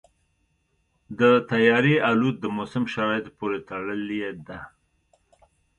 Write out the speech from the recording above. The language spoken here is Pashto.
د طیارې الوت د موسم شرایطو پورې تړلې ده.